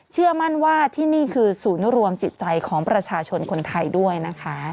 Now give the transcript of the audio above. เชื่อมั่นว่าที่นี่คือศูนย์รวมจิตใจของประชาชนคนไทยด้วยนะคะ